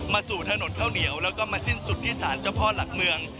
สู่ถนนข้าวเหนียวแล้วก็มาสิ้นสุดที่สารเจ้าพ่อหลักเมือง